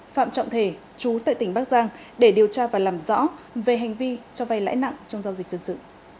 phạm trọng thể chú tại tỉnh bắc giang để điều tra và làm rõ về hành vi cho vay lãi nặng trong giao dịch dân sự